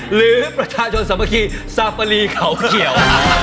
หรือประชาชนสามัคคีซาฟารีเขาเกี่ยว